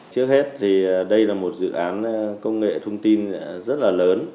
trước hết thì đây là một dự án công nghệ thông tin rất là lớn